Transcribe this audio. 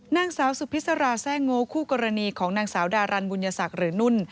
นางสาวสุพิษราแซ่งโง่คู่กรณีของนางสาวดารันบุญญศักดิ์หรือนุ่น